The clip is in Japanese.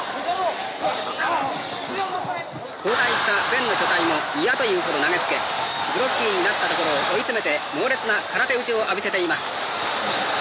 交代したベンの巨体も嫌というほど投げつけグロッキーになったところを追い詰めて猛烈な空手打ちを浴びせています。